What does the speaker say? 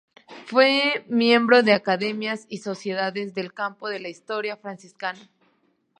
Fue miembro de academias y sociedades del campo de la historia franciscana.